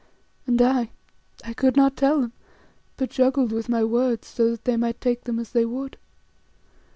And I I could not tell them, but juggled with my words, so that they might take them as they would.